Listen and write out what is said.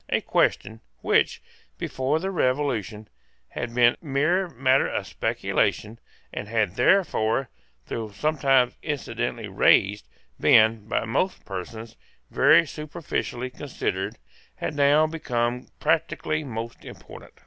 A question, which, before the Revolution, had been mere matter of speculation, and had therefore, though sometimes incidentally raised, been, by most persons, very superficially considered, had now become practically most important.